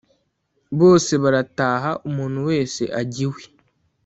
bose barataha umuntu wese ajya iwe